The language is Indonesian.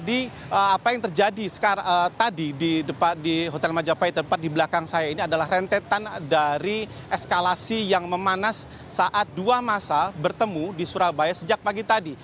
apa yang terjadi tadi di hotel majapahit tempat di belakang saya ini adalah rentetan dari eskalasi yang memanas saat dua masa bertemu di surabaya sejak pagi tadi